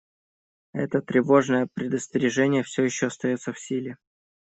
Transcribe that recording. Это тревожное предостережение все еще остается в силе.